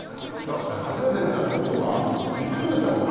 だって初めて見た鳥とかびっくりしたもん。